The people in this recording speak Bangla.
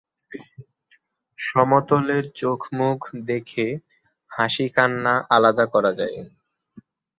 সমতলের চোখমুখ দেখে হাসি কান্না আলাদা করা যায়।